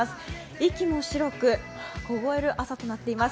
息も白く、凍える朝となっています